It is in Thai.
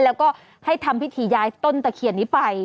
แล้วก็ให้ทำพิธีย้ายต้นตะเคียนนี้ไป